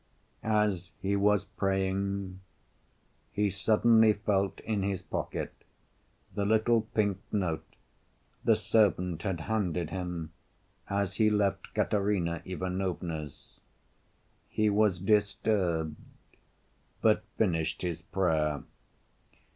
As he was praying, he suddenly felt in his pocket the little pink note the servant had handed him as he left Katerina Ivanovna's. He was disturbed, but finished his prayer.